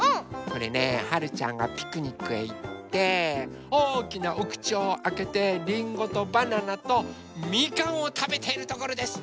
これねはるちゃんがピクニックへいっておおきなおくちをあけてりんごとバナナとみかんをたべているところです！